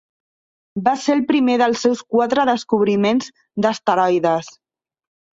Va ser el primer dels seus quatre descobriments d'asteroides.